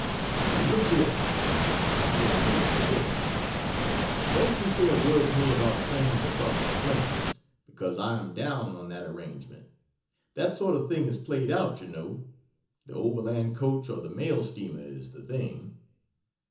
And look here. I came near forgetting it. Don't you say a word to me about "trains" across the plains. Because I am down on that arrangement. That sort of thing is "played out," you know. The Overland Coach or the Mail Steamer is the thing.